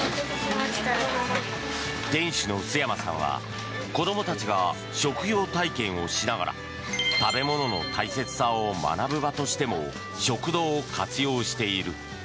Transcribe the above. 店主の陶山さんは子どもたちが職業体験をしながら食べ物の大切さを学ぶ場としても食堂を活用している。